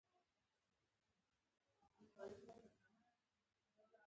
بد خوراکي عادتونه د غاښونو خرابوالي ته لاره هواروي.